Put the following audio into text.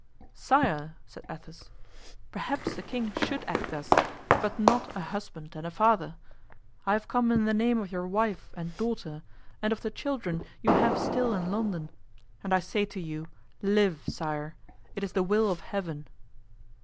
"Sire," said Athos, "perhaps a king should act thus, but not a husband and a father. I have come in the name of your wife and daughter and of the children you have still in London, and I say to you, 'Live, sire,'—it is the will of Heaven."